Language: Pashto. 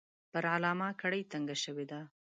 پر علامه کړۍ تنګه شوې ده.